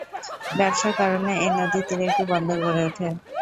ব্যবসার কারণে এ নদীর তীরে একটি বন্দর গড়ে ওঠে।